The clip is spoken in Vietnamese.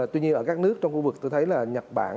tuy nhiên ở các nước trong khu vực tôi thấy là nhật bản